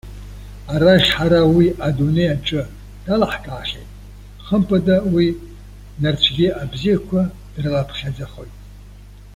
Арахь ҳара уи адунеи аҿы далаҳкаахьеит. Хымԥада, уи нарцәгьы абзиақәа дрылаԥхьаӡахоит.